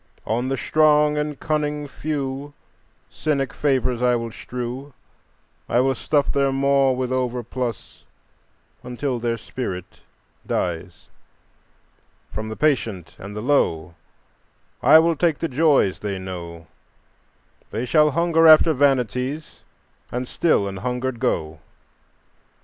"On the strong and cunning few Cynic favors I will strew; I will stuff their maw with overplus until their spirit dies; From the patient and the low I will take the joys they know; They shall hunger after vanities and still an hungered go.